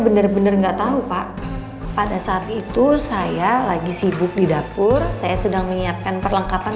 benar benar enggak tahu pak pada saat itu saya lagi sibuk di dapur saya sedang menyiapkan perlengkapan